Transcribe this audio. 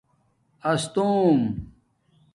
استّوم